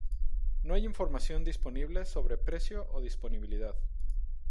No hay información disponible sobre precio o disponibilidad.